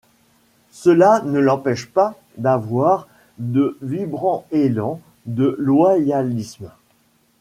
Cela ne l'empêche pas d'avoir de vibrants élans de loyalisme.